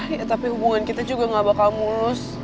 ya tapi hubungan kita juga gak bakal mulus